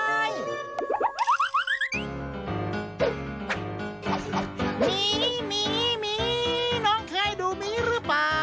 มีมีน้องเคยดูมีหรือเปล่า